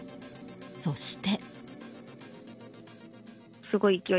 そして。